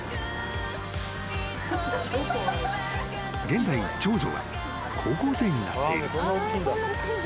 ［現在長女は高校生になっている］